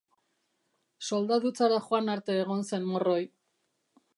Soldadutzara joan arte egon zen morroi.